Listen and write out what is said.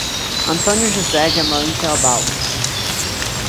Antônio José de Amorim Teobaldo